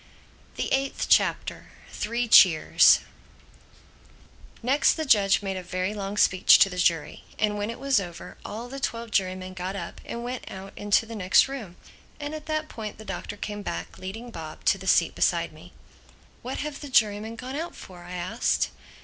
THE EIGHTH CHAPTER THREE CHEERS NEXT the judge made a very long speech to the jury; and when it was over all the twelve jurymen got up and went out into the next room. And at that point the Doctor came back, leading Bob, to the seat beside me. "What have the jurymen gone out for?" I asked.